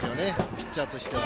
ピッチャーとしては。